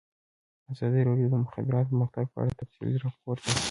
ازادي راډیو د د مخابراتو پرمختګ په اړه تفصیلي راپور چمتو کړی.